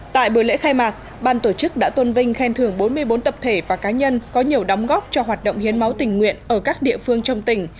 tại bữa lễ khai mạc ban tổ chức đã tôn vinh khen thưởng bốn mươi bốn tập thể và cá nhân có nhiều đóng góp cho hoạt động hiến máu tình nguyện ở các địa phương trong tỉnh